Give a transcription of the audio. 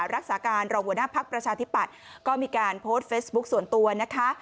รักษาการรองหัวหน้าภักดิ์ประชาธิปัตย์ก็มีการโพสต์เฟซบุ๊คส่วนตัวนะคะ